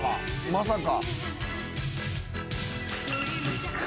まさか。